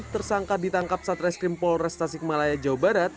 tersangka ditangkap satreskrim polres tasik malaya jawa barat